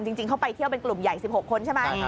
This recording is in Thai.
จริงเขาไปเที่ยวเป็นกลุ่มใหญ่๑๖คนใช่ไหม